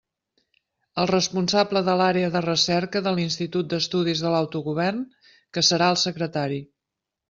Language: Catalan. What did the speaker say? El responsable de l'Àrea de Recerca de l'Institut d'Estudis de l'Autogovern, que serà el secretari.